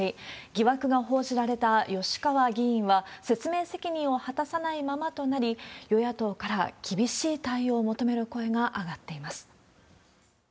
疑惑が報じられた吉川議員は、説明責任を果たさないままとなり、与野党から厳しい対応を求める声が上がっています。